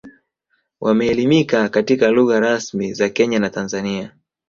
Wameelimika katika lugha rasmi za Kenya na Tanzania